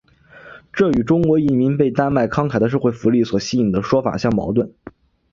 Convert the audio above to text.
这与中国移民被丹麦慷慨的社会福利所吸引的说法相矛盾。